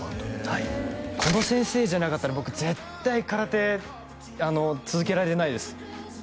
はいこの先生じゃなかったら僕絶対空手続けられてないです